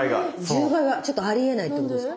１０倍はちょっとありえないってことですか？